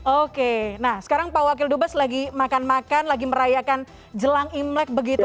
oke nah sekarang pak wakil dubes lagi makan makan lagi merayakan jelang imlek begitu